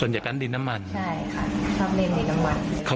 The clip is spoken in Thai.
น้องเริ่มปั้นตั้งแต่อายุเท่าไหร่ครับ